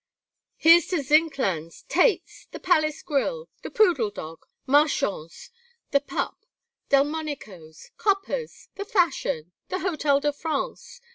"Here's to Zinkand's, Tait's, The Palace Grill! The Poodle Dog! Marchand's! The Pup! Delmonico's! Coppa's! The Fashion! The Hotel de France!